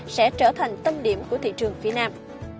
sẽ trở thành tâm điểm của thị trường phía nam